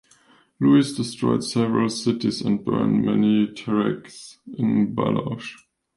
Louis destroyed several cities and burned many terraces in Baloch.